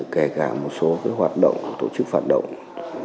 kể cả một số hoạt động tổ chức phòng ngừa